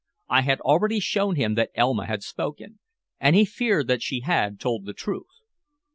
I had already shown him that Elma had spoken, and he feared that she had told the truth.